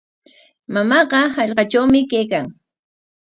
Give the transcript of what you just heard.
Mamaaqa hallqatrawmi kaykan.